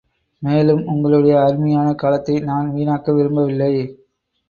மேலும் உங்களுடைய அருமையான காலத்தை நான் வீணாக்க விரும்பவில்லை.